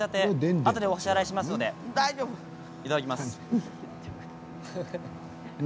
あとでお支払いしますのでいただきます。